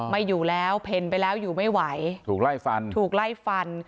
ไม่อยู่แล้วเพ็นไปแล้วอยู่ไม่ไหวถูกไล่ฟัน